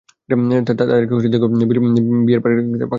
তাদেরকে ডেকে বলো বিয়ের তারিখ পাকা করতে।